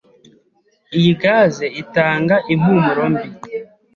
Iyi gaze itanga impumuro mbi.